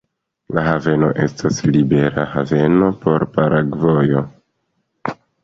La haveno estas libera haveno por Paragvajo.